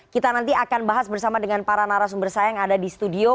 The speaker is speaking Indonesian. kita nanti akan bahas bersama dengan para narasumber saya yang ada di studio